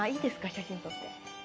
写真撮って。